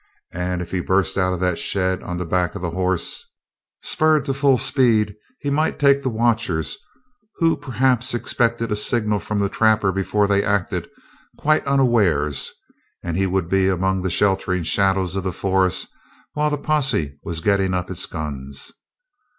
And if he burst out of that shed on the back of the horse, spurred to full speed, he might take the watchers, who perhaps expected a signal from the trapper before they acted, quite unawares, and he would be among the sheltering shadows of the forest while the posse was getting up its guns.